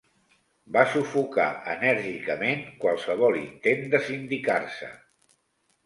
Va sufocar enèrgicament qualsevol intent de sindicar-se.